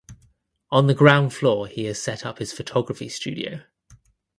On the ground floor he has set up his photography studio.